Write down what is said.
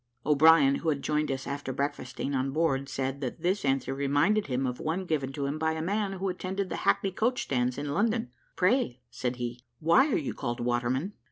O'Brien, who had joined us after breakfasting on board, said, that this answer reminded him of one given to him by a man who attended the hackney coach stands in London. "Pray," said he, "why are you called Waterman?"